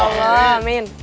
insya allah amin